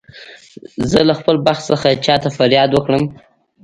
زه له خپل بخت څخه چا ته فریاد وکړم.